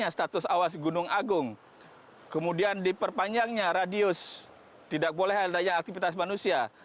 status awas gunung agung kemudian diperpanjangnya radius tidak boleh adanya aktivitas manusia